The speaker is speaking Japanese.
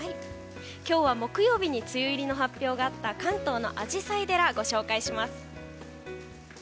今日は木曜日に梅雨入りの発表があった関東のアジサイ寺ご紹介します。